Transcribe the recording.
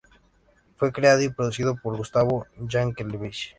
Fue creado y producido por Gustavo Yankelevich.